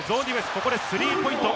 ここでスリーポイント。